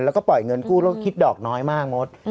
แล้วก็ปล่อยเงินกู้แล้วก็คิดดอกน้อยมากมด